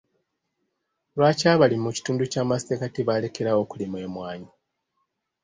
Lwaki abalimi mu kitundu ky'amassekkati baalekeraawo okulima emmwanyi?